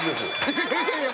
「いやいやいや」